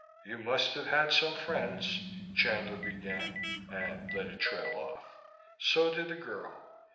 "You must have had some friends," Chandler began, and let it trail off. So did the girl.